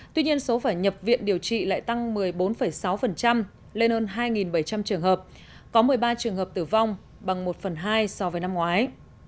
tuy nhiên số phải nhập viện điều trị lại tăng một mươi bốn sáu lên hơn hai bảy trăm linh trường hợp có một mươi ba trường hợp tử vong bằng một phần hai so với năm ngoái